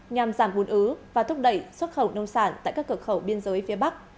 nhằm giảm uốn ứ và thúc đẩy xuất khẩu nông sản tại các cửa khẩu biên giới phía bắc